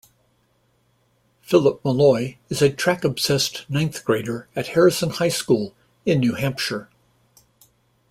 Philip Malloy is a track-obsessed ninth grader at Harrison High School in New Hampshire.